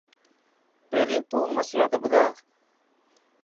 پهرين تو مصلو ته ٻڌا.